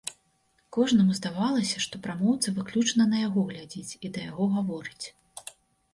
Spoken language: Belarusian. Кожнаму здавалася, што прамоўца выключна на яго глядзіць і да яго гаворыць.